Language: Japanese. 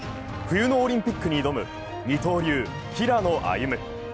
冬のオリンピックに挑む、二刀流・平野歩夢。